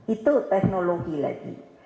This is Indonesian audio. itu teknologi lagi